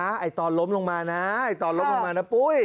ไอ้ตอนล้มลงมานะตอนล้มลงมานะปุ้ย